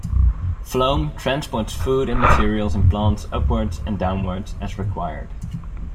Phloem transports food and materials in plants upwards and downwards as required.